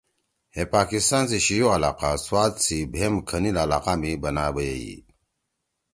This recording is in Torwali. ہے پاکستان سی شیو علاقہ سوات سی بھیِم کھنیِل علاقہ می بنا بَییئ۔